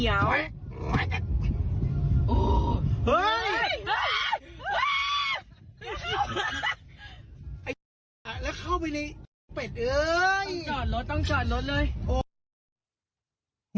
เฮ้ยเอ้ยเอ้ยแล้วเข้าไปในเอ้ยต้องจัดรถต้องจัดรถเลยโอ้